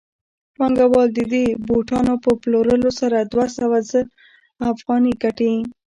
پانګوال د دې بوټانو په پلورلو سره دوه سوه زره افغانۍ ګټي